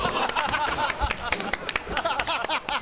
ハハハハ！